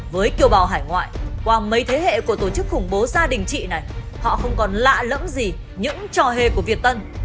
với kiều bào hải ngoại qua mấy thế hệ của tổ chức khủng bố gia đình chị này họ không còn lạ lẫm gì những trò hề của việt tân